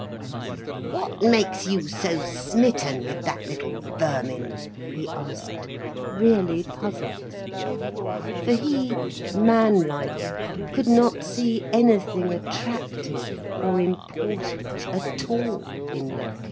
"What makes you so smitten with that little vermin?" he asked, really puzzled. For he, man like, could not see anything attractive or important at all in Loerke.